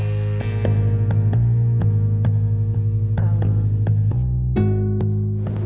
pernah gak tau